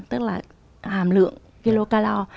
tức là hàm lượng kilocalor